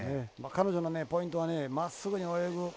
彼女のポイントはまっすぐに泳ぐ。